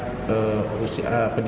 karena ini adalah kondisi yang terjadi